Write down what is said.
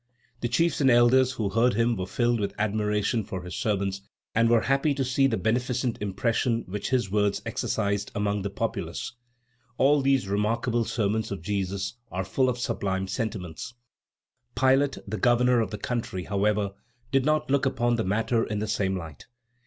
The chiefs and elders who heard him were filled with admiration for his sermons, and were happy to see the beneficent impression which his words exercised upon the populace. All these remarkable sermons of Jesus are full of sublime sentiments. Pilate, the governor of the country, however, did not look upon the matter in the same light.